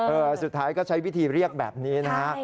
สุดท้ายก็ใช้วิธีเรียกแบบนี้นะฮะ